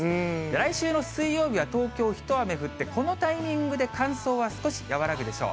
来週の水曜日は東京、一雨降って、このタイミングで乾燥は少し和らぐでしょう。